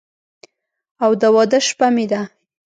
او د واده شپه مې ده